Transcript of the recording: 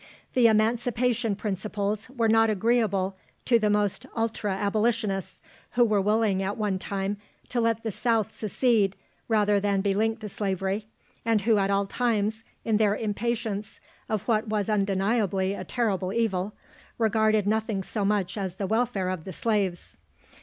The Emancipation principles were not agreeable to the most ultra Abolitionists, who were willing at one time to let the South secede rather than be linked to slavery, and who at all times, in their impatience of what was undeniably a terrible evil, regarded nothing so much as the welfare of the slaves.